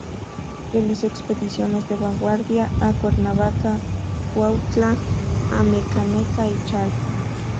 Realizó expediciones de vanguardia a Cuernavaca, Cuautla, Amecameca y Chalco.